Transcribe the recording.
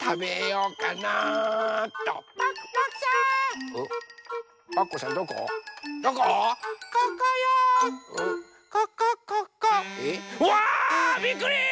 うわびっくり！